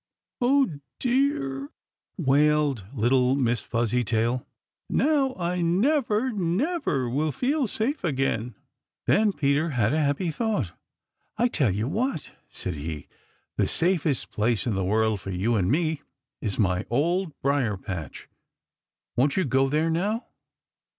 "Oh, dear," wailed little Miss Fuzzytail. "Now, I never, never will feel safe again!" Then Peter had a happy thought. "I tell you what," said he, "the safest place in the world for you and me is my dear Old Briar patch, Won't you go there now?"